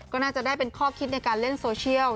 ก็น่าจะได้เป็นข้อคิดในการเล่นโซเชียล